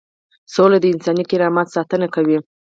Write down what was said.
سوله د انساني کرامت ساتنه کوي.